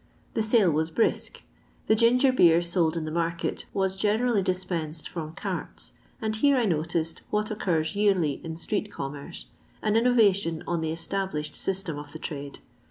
The sale was brisk. The ginger beer sold in the market was generally dis pensed from carts, and here I noticed, what occurs yearly in street commerce, an innovation on the established system of the trade.